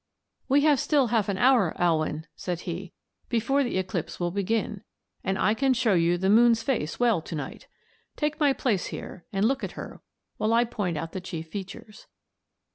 ] "We have still half an hour, Alwyn," said he, "before the eclipse will begin, and I can show you the moon's face well to night. Take my place here and look at her while I point out the chief features.